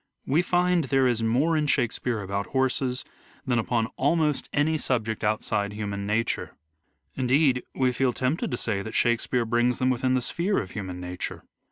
We find there is more in Shake speare about horses than upon almost any subject EARLY LIFE OF EDWARD DE VERE 249 outside human nature. Indeed we feel tempted to say that Shakespeare brings them within the sphere of human nature.